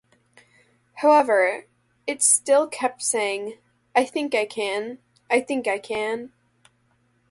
However, it still kept saying, I-think-I-can, I-think-I-can.